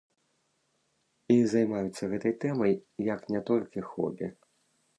І займаюцца гэтай тэмай як не толькі хобі.